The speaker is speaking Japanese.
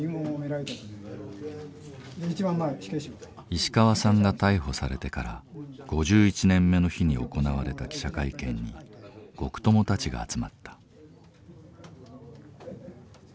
石川さんが逮捕されてから５１年目の日に行われた記者会見に獄友たちが集まった。